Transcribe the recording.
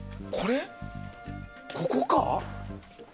ここか？